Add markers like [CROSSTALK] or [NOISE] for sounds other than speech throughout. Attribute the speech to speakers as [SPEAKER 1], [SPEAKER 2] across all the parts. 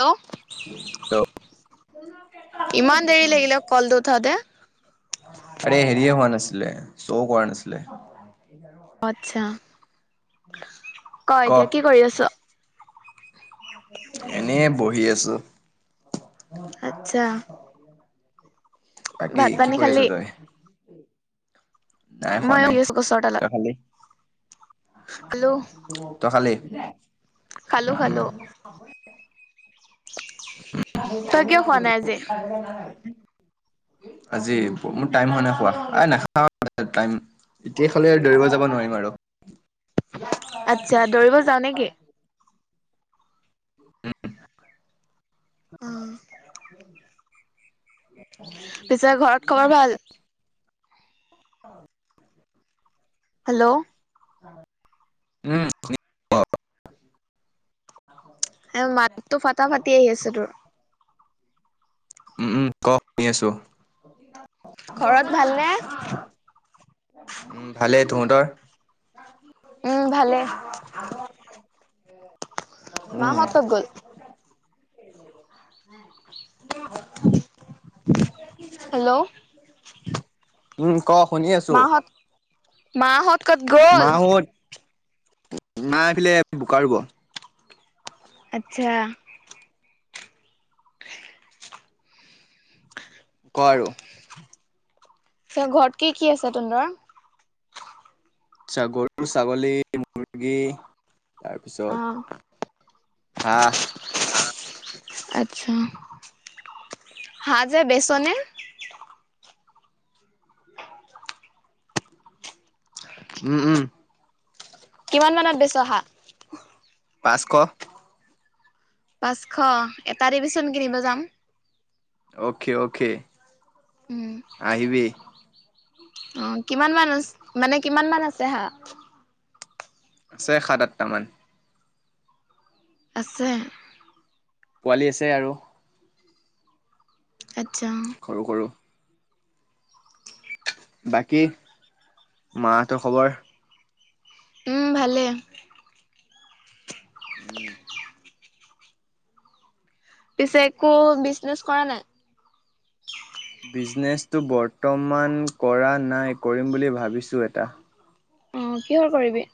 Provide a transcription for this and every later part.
[SPEAKER 1] Hello
[SPEAKER 2] hello
[SPEAKER 1] ইমান দেৰি লাগিলে কলটো উঠাওঁতে।
[SPEAKER 2] আৰে হেৰিয়ে হোৱা নাছিলে, চৌ কৰা নাছিলে।
[SPEAKER 1] অ, আত্ছা, ক এতিয়া কি কৰি আছ।
[SPEAKER 2] এনেই বহি আছোঁ।
[SPEAKER 1] আচ্ছা
[SPEAKER 2] বাকী
[SPEAKER 1] ভাত
[SPEAKER 2] কি
[SPEAKER 1] পানী
[SPEAKER 2] কৰি আছ
[SPEAKER 1] খালি?
[SPEAKER 2] তই? নাই খোৱা নাই
[SPEAKER 1] [INAUDIBLE] গছৰ
[SPEAKER 2] তই
[SPEAKER 1] তলত।
[SPEAKER 2] খালি
[SPEAKER 1] হেল্ল'।
[SPEAKER 2] তই খালি।
[SPEAKER 1] খালো
[SPEAKER 2] উম।
[SPEAKER 1] খালো। তই কিয় খোৱা নাই আজি?
[SPEAKER 2] [INAUDIBLE]
[SPEAKER 1] [UNINTELLIGIBLE]
[SPEAKER 2] আজি মোৰ টাইম হোৱা নাই খোৱা [UNINTELLIGIBLE] এতিয়া খালে দৌৰিব যাব নোৱাৰিম আৰু।
[SPEAKER 1] আচ্ছা দৌৰিব যাওঁ নে কি।
[SPEAKER 2] উম। [UNINTELLIGIBLE]
[SPEAKER 1] পিছে ঘৰত খবৰ ভাল
[SPEAKER 2] অ
[SPEAKER 1] হেল্ল'
[SPEAKER 2] উম
[SPEAKER 1] এ মাতটো ফাটা ফাটি আহি আছে তোৰ
[SPEAKER 2] উ উম ক শুনি আছো
[SPEAKER 1] ঘৰত ভালনে?
[SPEAKER 2] উম ভালে তহঁতৰ
[SPEAKER 1] উম ভালে মাহঁত ক'ত গ'ল?
[SPEAKER 2] উম [INAUDIBLE]
[SPEAKER 1] হেল্ল'
[SPEAKER 2] উম ক শুনি আছো
[SPEAKER 1] মা হত
[SPEAKER 2] মা হত মা আহিলে বোকা ৰুব।
[SPEAKER 1] আচ্ছা
[SPEAKER 2] কোৱা আৰু
[SPEAKER 1] ঘৰত কি কি আছে তহতৰ
[SPEAKER 2] আচ্ছা গৰু, ছাগলী, মুৰ্গী
[SPEAKER 1] অ
[SPEAKER 2] তাৰপিছত হাঁহ
[SPEAKER 1] আচ্ছা হাঁহ যে বেচনে
[SPEAKER 2] উম উম
[SPEAKER 1] কিমান মানত বেচ হাঁহ
[SPEAKER 2] পাঁচশ
[SPEAKER 1] পাঁচশ এটা দিবিচোন কিনিব যাম।
[SPEAKER 2] অকে অ'কে
[SPEAKER 1] উম
[SPEAKER 2] আহিবি
[SPEAKER 1] অ কিমান মান আ মানে কিমান মান আছে হাঁহ
[SPEAKER 2] আছে সাত আঠটামান
[SPEAKER 1] আছে
[SPEAKER 2] পোৱালি আছে আৰু
[SPEAKER 1] আচ্ছা
[SPEAKER 2] সৰু সৰু বাকী মা হঁতৰ খবৰ
[SPEAKER 1] উম ভালে
[SPEAKER 2] উম
[SPEAKER 1] পিছে একো বিজনেচ কৰা নাই
[SPEAKER 2] বিজনেচটো বৰ্তমান কৰা নাই কৰিম বুলি ভাবিছোঁ এটা।
[SPEAKER 1] অঁ কিহৰ কৰিবি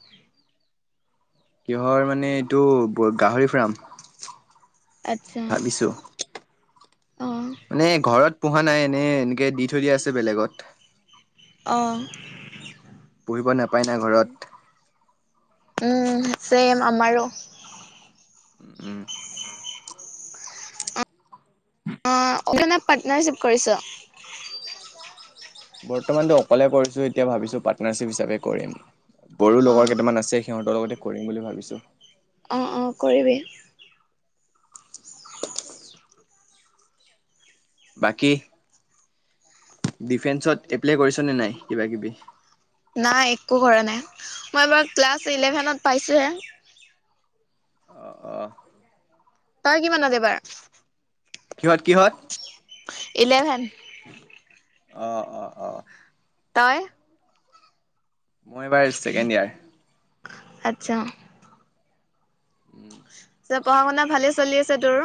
[SPEAKER 2] কিহৰ মানে এইটো ব গাহৰি ফাৰ্ম
[SPEAKER 1] আচ্ছা
[SPEAKER 2] ভাবিছো
[SPEAKER 1] অ
[SPEAKER 2] মানে ঘৰত পোহা নাই এনে এনেকে দি থৈ দিয়া আছে বেলেগত।
[SPEAKER 1] অঁ
[SPEAKER 2] পুহিব নাপায় না ঘৰত
[SPEAKER 1] উম চেম আমাৰো
[SPEAKER 2] উম,
[SPEAKER 1] অ অকলে না পাৰ্টনাৰশ্বিপ কৰিছ
[SPEAKER 2] বৰ্তমানতো অকলে কৰিছো এতিয়া ভাবিছো পাৰ্টনাৰশ্বিপ হিচাপে কৰিম বড়ো
[SPEAKER 1] অ।
[SPEAKER 2] লগৰ কেইটামান আছে সিহঁতৰ লগতে কৰিম বুলি ভাবিছো।
[SPEAKER 1] অঁ অঁ কৰিবি
[SPEAKER 2] বাকী ডিফেন্সত এপ্লাই কৰিছ নে নাই কিবা কিবি
[SPEAKER 1] নাই একো কৰা নাই মই এবাৰ ক্লাছ ইলেভেনত পাইছোঁহে
[SPEAKER 2] অ অ
[SPEAKER 1] তই কিমানত এইবাৰ?
[SPEAKER 2] কিহত কিহত?
[SPEAKER 1] ইলেভেন।
[SPEAKER 2] অঁ অ অ।
[SPEAKER 1] তই?
[SPEAKER 2] মই এইবাৰ ছেকেণ্ড ইয়াৰ।
[SPEAKER 1] আচ্ছা।
[SPEAKER 2] উম।
[SPEAKER 1] ত পঢ়া শুনা ভালেই চলি আছে তোৰ?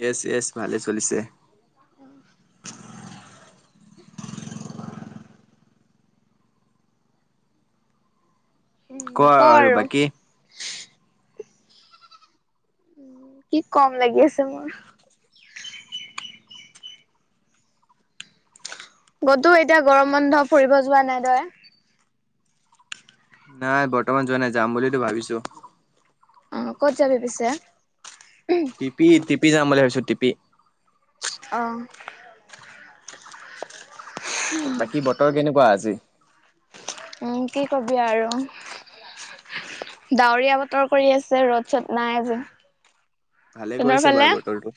[SPEAKER 2] য়েছ য়েছ ভালে চলিছে।
[SPEAKER 1] [UNINTELLIGIBLE]
[SPEAKER 2] ক আৰু বাকী?
[SPEAKER 1] কি কম লাগি আছে মোৰ। কতো এতিয়া গৰম বন্ধ ফুৰিব যোৱা নাই তই?
[SPEAKER 2] নাই বৰ্তমান যোৱা নাই যাম বুলিতো ভাবিছো।
[SPEAKER 1] অ ক'ত যাবি পিছে?
[SPEAKER 2] টপি টপি যাম বুলি ভাবিছো টিপি।
[SPEAKER 1] অঁ।
[SPEAKER 2] বাকী বতৰ কেনেকুৱা আজি?
[SPEAKER 1] উম কি কবি আৰু ডাৱৰীয়া বতৰ কৰি আছে ৰ'দ চদ নাই যে
[SPEAKER 2] ভালে
[SPEAKER 1] তহঁতৰ
[SPEAKER 2] কৰিছে
[SPEAKER 1] ফালে?
[SPEAKER 2] বাৰু বতৰটো।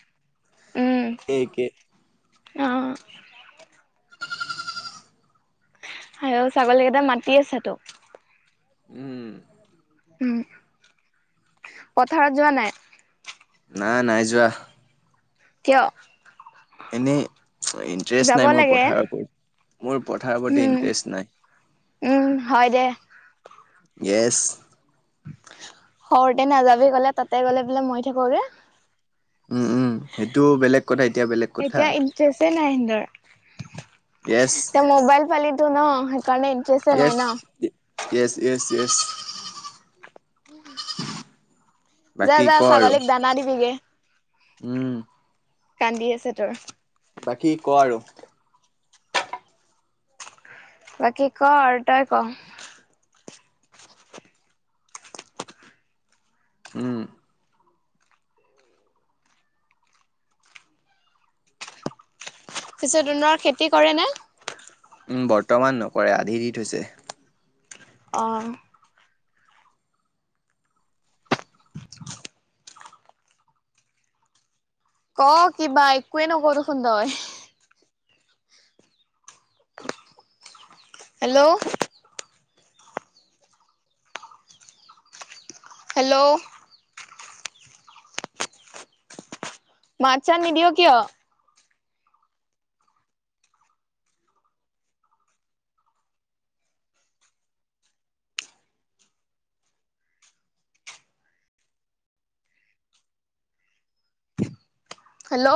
[SPEAKER 2] এ একে
[SPEAKER 1] উম অ আয়ো ছাগলীকেইটা মাতি আছে তোক?
[SPEAKER 2] উম।
[SPEAKER 1] উম পথাৰত যোৱা নাই?
[SPEAKER 2] নাই নাই যোৱা।
[SPEAKER 1] কিয়?
[SPEAKER 2] এনেই ইণ্টেৰেষ্ট
[SPEAKER 1] যাব
[SPEAKER 2] নাই মোৰ
[SPEAKER 1] লাগে।
[SPEAKER 2] পথাৰৰ ওপৰত মোৰ পথাৰৰ ওপৰত
[SPEAKER 1] উম,
[SPEAKER 2] ইণ্টেৰেষ্ট নাই।
[SPEAKER 1] উম হয় দে।
[SPEAKER 2] ইয়েছ।
[SPEAKER 1] শৰতে নাযাবি ক'লে তাতে গ'লে বোলে মৰি থাক গৈ?
[SPEAKER 2] উম উম সেইটোও বেলেগ কথা। এতিয়া বেলেগ কথা।
[SPEAKER 1] [UNINTELLIGIBLE] নাই‌ ইহঁতৰ
[SPEAKER 2] য়েছ।
[SPEAKER 1] তই মোবাইল পালিতো ন সেইকাৰণে interest
[SPEAKER 2] yes yes yes yes.
[SPEAKER 1] যা যা ছাগলীক দানা দিবিগে।
[SPEAKER 2] উম
[SPEAKER 1] কান্দি আছে তোৰ
[SPEAKER 2] বাকী ক আৰু?
[SPEAKER 1] বাকী ক আৰু তই ক?
[SPEAKER 2] উম
[SPEAKER 1] পিছে তুহুঁতৰ খেতি কৰেনে?
[SPEAKER 2] বৰ্তমান নকৰে আধি দি থৈছে।
[SPEAKER 1] অ' [INAUDIBLE] ক কিবা? একোৱে নকৱ দেখোন তই? হেল্ল' হেল্ল' মাত চাত নিদিয় কিয়? হেল্ল'